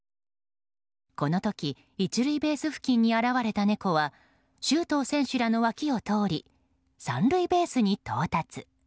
この時、１塁ベース付近に現れた猫は周東選手らの脇を通り３塁ベースに到達。